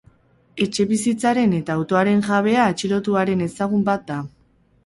Etxebizitzaren eta autoaren jabea atxilotuaren ezagun bat da.